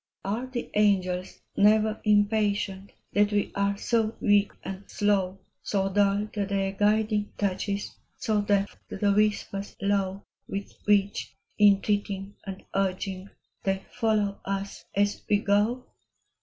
i RE the angels never impatient That we are so weak and slow, So dull to their guiding touches, So deaf to the whispers low With which, entreating and urging, They follow us as we go?